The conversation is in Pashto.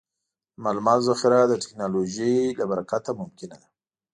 د معلوماتو ذخیره د ټکنالوجۍ له برکته ممکنه ده.